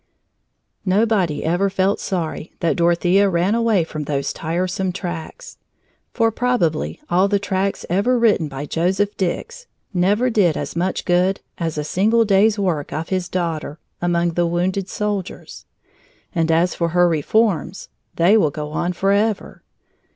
Nobody ever felt sorry that Dorothea ran away from those tiresome tracts. For probably all the tracts ever written by Joseph Dix never did as much good as a single day's work of his daughter, among the wounded soldiers. And as for her reforms they will go on forever.